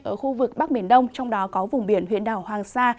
ở khu vực bắc biển đông trong đó có vùng biển huyện đảo hoàng sa